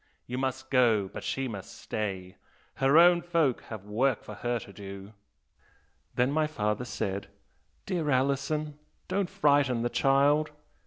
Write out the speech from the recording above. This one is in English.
You must go, but she must stay, her own folk have work for her to do!' Then my father said, 'Dear Alison, don't frighten the child!'